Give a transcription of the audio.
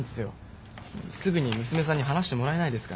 すぐに娘さんに話してもらえないですかね？